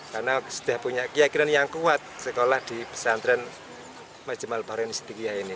karena sudah punya keyakinan yang kuat sekolah di pesantren majma'al bahrain sidikiah ini